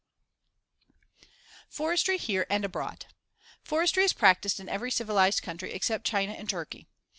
] Forestry here and abroad: Forestry is practiced in every civilized country except China and Turkey.